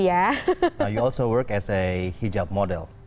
anda juga bekerja sebagai model hijab